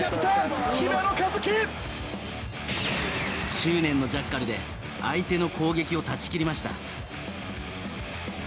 執念のジャッカルで相手の攻撃を断ち切りました。